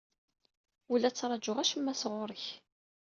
Ur la ttṛajuɣ acemma sɣur-k.